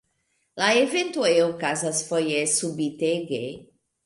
La eventoj okazas foje subitege.